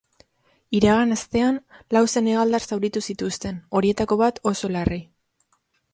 Iragan astean, lau senegaldar zauritu zituzten, horietako bat oso larri.